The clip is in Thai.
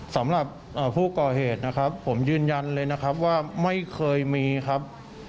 สำหรับผู้ก่อเหตุนะครับผมยืนยันเลยนะครับว่าไม่เคยมีครับ